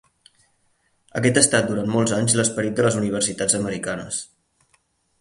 Aquest ha estat durant molts anys l'esperit de les universitats americanes.